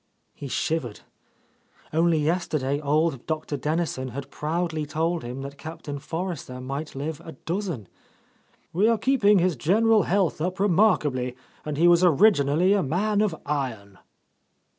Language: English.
He shivered. Only yesterday old Dr. Dennison had proudly told him that Captain Forrester might live a dozen. "We are keeping his general health up remark ably, and he was originally a man of iron.